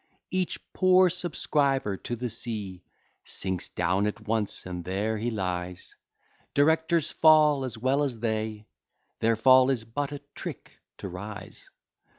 Each poor subscriber to the sea Sinks down at once, and there he lies; Directors fall as well as they, Their fall is but a trick to rise.